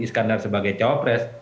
iskandar sebagai capres